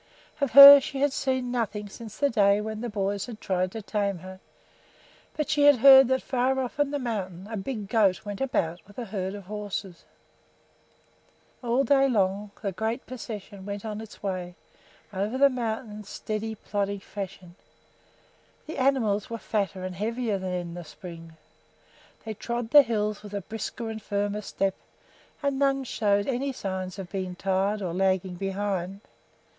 Of her she had seen nothing since that day when the boys had tried to tame her; but she had heard that far off on the mountain a big goat went about with a herd of horses. All day long the great procession went on its way over the mountain in steady, plodding fashion. The animals were fatter and heavier than in the spring; they trod the hills with a brisker and firmer step, and none showed any sign of being tired or lagging behind.